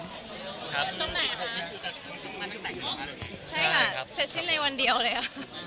ใช่ค่ะเสร็จสิ้นในวันเดียวเลยค่ะ